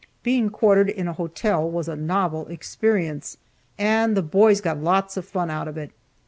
Being quartered in a hotel was a novel experience, and the boys got lots of fun out of it.